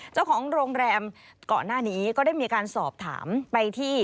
เจ้าของโรงแรมก่อนหน้านี้ก็ได้มีการสอบถามไปที่